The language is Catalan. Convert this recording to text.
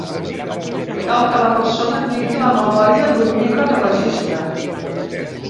Cal que la persona tingui la memòria d'un llibre de registre.